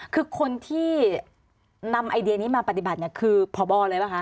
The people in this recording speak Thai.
คือคนที่นำไอเดียนี้มาปฏิบัติเนี่ยคือพบเลยป่ะคะ